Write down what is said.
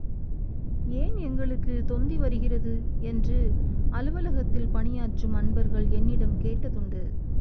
ஏன் எங்களுக்குத் தொந்தி வருகிறது என்று அலுவலகத்தில் பணியாற்றும் அன்பர்கள் என்னிடம் கேட்டதுண்டு.